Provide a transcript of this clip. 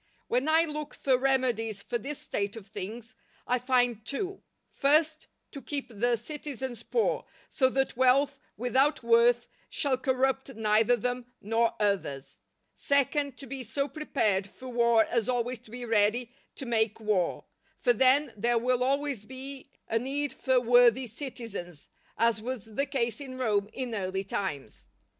When I look for remedies for this state of things, I find two: first, to keep the citizens poor, so that wealth without worth shall corrupt neither them nor others; second, to be so prepared for war as always to be ready to make war; for then there will always be a need for worthy citizens, as was the case in Rome in early times.